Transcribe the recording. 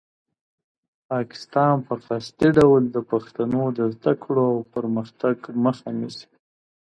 پاکستان په قصدي ډول د پښتنو د زده کړو او پرمختګ مخه نیسي.